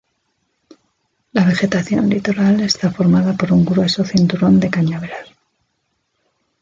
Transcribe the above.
La vegetación litoral está formada por un grueso cinturón de cañaveral.